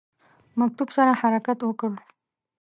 مکتوب سره حرکت وکړ.